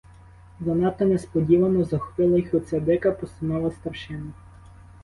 Занадто несподівано захопила їх оця дика постанова старшини.